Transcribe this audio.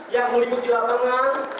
yang meliputi lapangan